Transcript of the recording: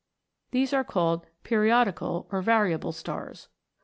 These are called periodical, or variable stars.